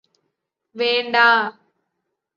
വേണ്ടാ